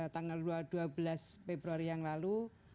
tanggal dua belas februari yang lalu